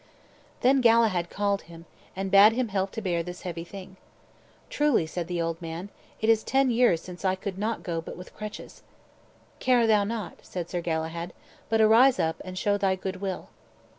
Then Galahad called him, and bade him help to bear this heavy thing. "Truly," said the old man, "it is ten years since I could not go but with crutches." "Care thou not," said Sir Galahad, "but arise up, and show thy good will."